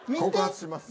告発します。